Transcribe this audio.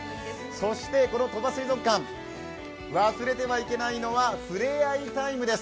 そして、この鳥羽水族館、忘れてはいけないのがふれあいタイムです。